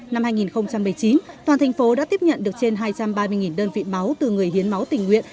năm hai nghìn một mươi chín toàn thành phố đã tiếp nhận được trên hai trăm ba mươi đơn vị máu từ người hiến máu tình nguyện